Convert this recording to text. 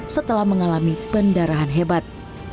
setelah mengalami pendarahan hebat